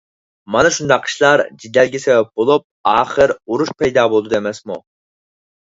مانا شۇنداق ئىشلار جېدەلگە سەۋەب بولۇپ، ئاخىر ئۇرۇش پەيدا بولىدۇ ئەمەسمۇ؟